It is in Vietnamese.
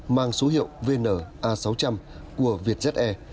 mang số hiệu vn a sáu trăm linh của việt ze